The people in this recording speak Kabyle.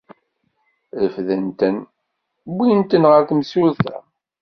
Refden-ten, wwin-ten ɣer temsulta.